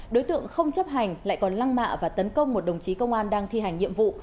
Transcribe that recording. đối tượng không chấp hành lại còn lăng mạ và tấn công một đồng chí công an đang thi hành nhiệm vụ